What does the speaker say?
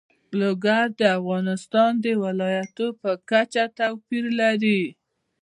لوگر د افغانستان د ولایاتو په کچه توپیر لري.